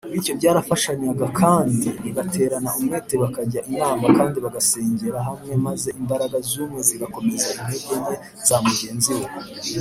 bityo barafashanyaga kandi bagaterana umwete, bakajya inama kandi bagasengera hamwe, maze imbaraga z’umwe zigakomeza intege nke za mugenzi we